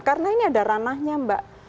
karena ini ada ranahnya mbak